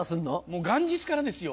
もう元日からですよ